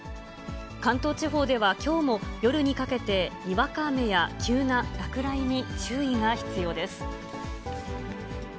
関東地方ではきょうも夜にかけて、にわか雨や急な落雷に注意が必要です。